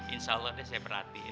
insya allah saya perhatiin